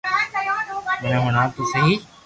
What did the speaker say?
مني ھڻاو تو سھي